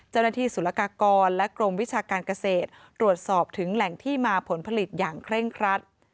สุรกากรและกรมวิชาการเกษตรตรวจสอบถึงแหล่งที่มาผลผลิตอย่างเคร่งครัด